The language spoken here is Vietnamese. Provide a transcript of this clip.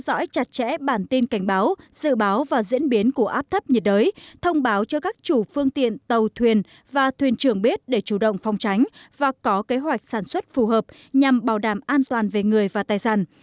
theo dõi chặt chẽ bản tin cảnh báo dự báo và diễn biến của áp thấp nhiệt đới thông báo cho các chủ phương tiện tàu thuyền và thuyền trưởng biết để chủ động phòng tránh và có kế hoạch sản xuất phù hợp nhằm bảo đảm an toàn về người và tài sản